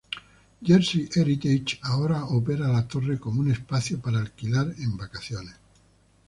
Jersey Heritage ahora opera la torre como un espacio para alquilar en vacaciones.